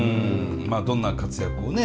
まあどんな活躍をね